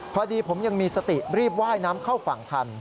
พอดีผมยังมีสติรีบว่ายน้ำเข้าฝั่งทัน